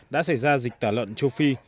đã xảy ra dịch tả lợn châu phi